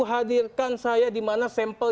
hadirkan saya dimana sampel